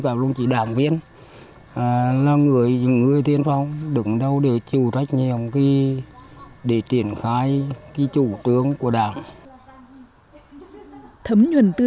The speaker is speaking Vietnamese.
châu nội là một trong những thôn đầu tiên triển khai nhiệm vụ